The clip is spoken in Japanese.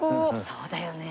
そうだよね。